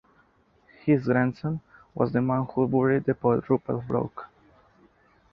His grandson was the man who buried the poet Rupert Brooke.